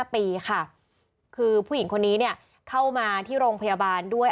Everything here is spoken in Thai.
๕ปีค่ะคือผู้หญิงคนนี้เนี่ยเข้ามาที่โรงพยาบาลด้วย